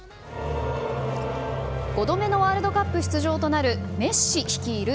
５度目のワールドカップ出場となるメッシ率いる